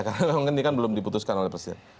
karena memang ini kan belum diputuskan oleh presiden